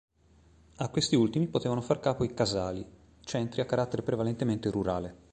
A questi ultimi potevano far capo i "casali", centri a carattere prevalentemente rurale.